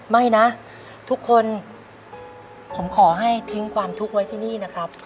ไม่นะทุกคนผมขอให้ทิ้งความทุกข์ไว้ที่นี่นะครับ